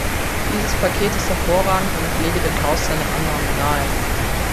Dieses Paket ist hervorragend, und ich lege dem Haus seine Annahme nahe.